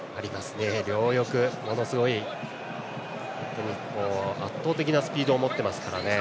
両翼がものすごい圧倒的なスピードを持ってますからね。